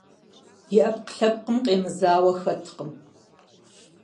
И ӏэпкълъэпкъым къемызауэ хэткъым.